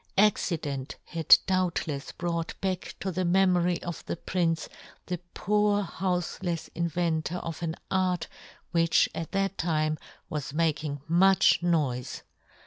Accident had doubtlefs brought back to the memory of the prince the poor houfelefs inventor of an art which at that time was making much noife.